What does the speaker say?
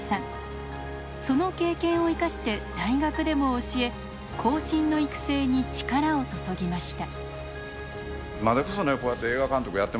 その経験を生かして大学でも教え後進の育成に力を注ぎました。